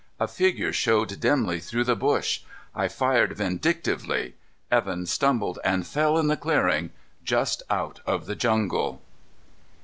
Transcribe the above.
A figure showed dimly through the bush. I fired vindictively. Evan stumbled and fell in the clearing, just out of the jungle!